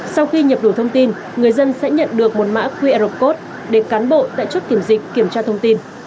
sau khi nhập đủ thông tin người dân sẽ nhận được một mã qr code để cán bộ tại chốt kiểm dịch kiểm tra thông tin